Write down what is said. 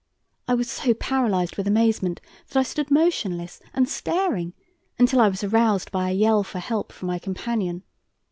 I was so paralysed with amazement that I stood motionless and staring until I was aroused by a yell for help from my companion.